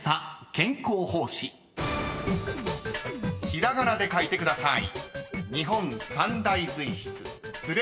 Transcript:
［ひらがなで書いてください］